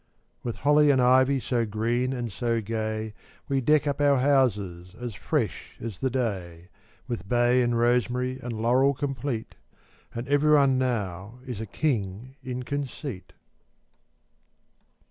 With holly and ivy So green and so gay, We deck up our houses As fresh as the day; With bay and rosemary And laurel complete; And every one now Is a king in conceit.